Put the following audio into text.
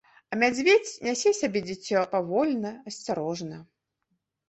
А мядзведзь нясе сабе дзіцё павольна, асцярожна.